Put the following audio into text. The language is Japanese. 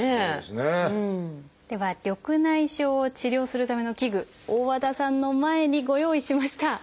では緑内障を治療するための器具大和田さんの前にご用意しました。